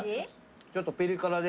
ちょっとぴり辛で。